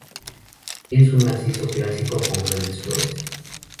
Es un narciso clásico, con grandes flores.